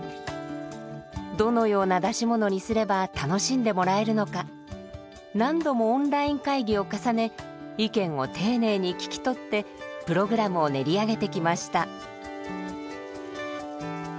どのような出し物にすれば楽しんでもらえるのか何度もオンライン会議を重ね意見を丁寧に聞き取ってプログラムを練り上げてきました。